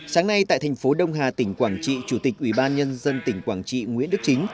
sáng nay tại thành phố đông hà tỉnh quảng trị chủ tịch ủy ban nhân dân tỉnh quảng trị nguyễn đức chính